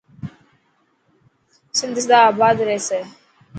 سنڌ سدا آبا رهسي.